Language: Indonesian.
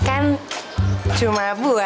kan cuma buah